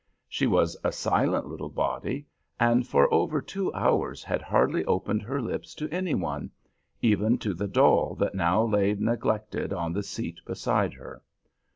She was a silent little body, and for over two hours had hardly opened her lips to any one, even to the doll that now lay neglected on the seat beside her.